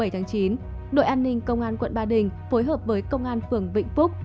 bảy tháng chín đội an ninh công an quận ba đình phối hợp với công an phường vĩnh phúc